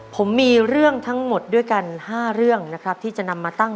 ผมมีเรื่องทั้งหมดด้วยกัน๕เรื่องนะครับที่จะนำมาตั้ง